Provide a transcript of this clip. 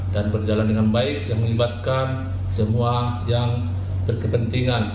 dan berjalan dengan baik yang melibatkan semua yang berkepentingan